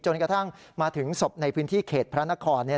กระทั่งมาถึงศพในพื้นที่เขตพระนคร